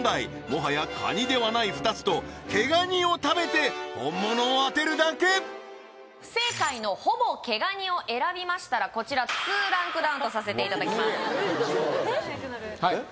もはやカニではない２つと毛ガニを食べて本物を当てるだけ不正解のほぼ毛ガニを選びましたらこちら２ランクダウンとさせていただきますえっ？